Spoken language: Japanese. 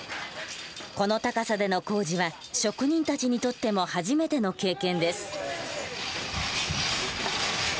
この高さでの工事は職人たちにとっても初めての経験です。